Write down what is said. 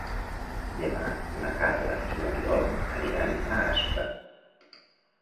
Demà na Carla i n'Oriol aniran a Aspa.